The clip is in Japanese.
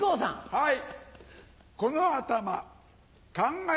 はい。